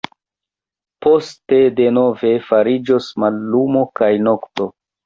Poste denove fariĝos mallumo kaj nokto.